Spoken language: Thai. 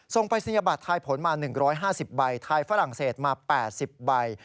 ส่งประสิทธิบัติไทยผลมา๑๕๐ใบไทยฝรั่งเศสมา๘๐ใบ